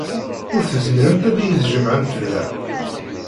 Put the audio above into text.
Ur tezmiremt ad iyi-tjemɛemt da.